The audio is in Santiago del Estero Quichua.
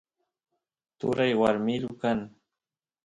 turay warmilu kan